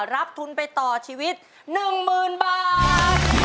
รับทุนไปต่อชีวิต๑๐๐๐บาท